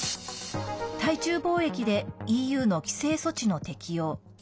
対中貿易でＥＵの規制措置の適用。